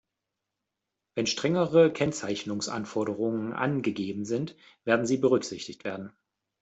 Wenn strengere Kennzeichnungsanforderungen angegeben sind, werden sie berücksichtigt werden.